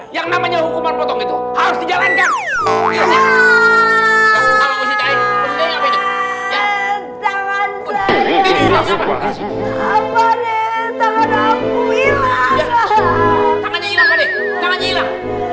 yang namanya hukuman potong itu harus dijalankan